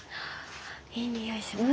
いい匂いします。